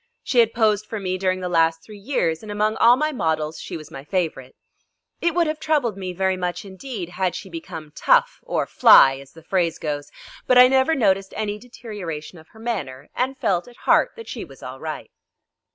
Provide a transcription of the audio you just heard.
She had posed for me during the last three years, and among all my models she was my favourite. It would have troubled me very much indeed had she become "tough" or "fly," as the phrase goes, but I never noticed any deterioration of her manner, and felt at heart that she was all right.